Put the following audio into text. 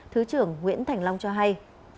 thứ trưởng nguyễn thành long cho hay